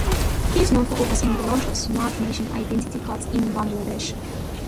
He is known for overseeing the launch of smart national identity cards in Bangladesh.